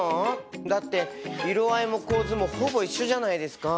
だって色合いも構図もほぼ一緒じゃないですか。